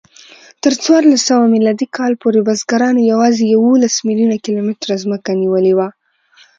تر څوارلسسوه میلادي کال پورې بزګرانو یواځې یوولس میلیونه کیلومتره ځمکه نیولې وه.